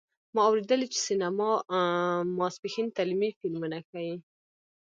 ما اوریدلي چې سینما ماسپښین تعلیمي فلمونه ښیې